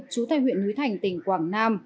chú thầy huyện núi thành tỉnh quảng nam